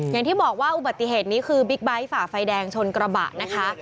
อย่างที่บอกว่าอุบัติเหตุนี้คือบิ๊กไบท์ฝ่าไฟแดงชนกระบะนะคะ